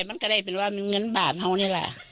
มันก็ได้เป็นว่ามีเงินบาทเขานี่แหละ